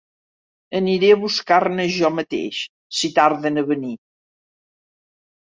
Aniré a buscar-ne jo mateix si tarden a venir.